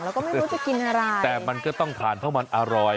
แล้วก็ไม่รู้จะกินอะไรแต่มันก็ต้องทานเพราะมันอร่อย